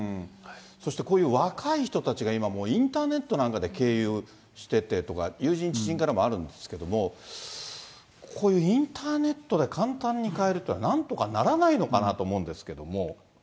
そしてこういう若い人たちが今もう、インターネットなんかで経由しててとか、友人、知人からもあるんですけれども、こういうインターネットで簡単に買えるって、なんとかならないのかなと思うんですけれども。